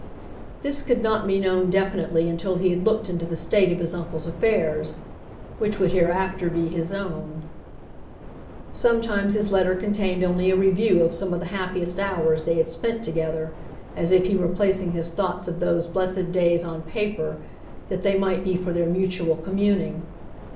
This could not be known definitely until he had looked into the state of his uncle's affairs — which would hereafter be his own. Sometimes his letter contained only a review of some of the happiest hours they had spent together, as if he were placing his thoughts of those blessed days on paper, that they might be for their mutual communing.